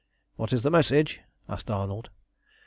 "What is the message?" asked Arnold.